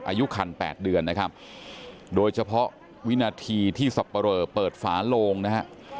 อายุคัน๘เดือนนะครับโดยเฉพาะวินาทีที่สับปะเรอเปิดฝาโลงนะฮะ